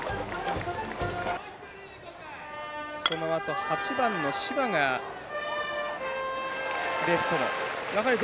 そのあと、８番の柴がレフトに。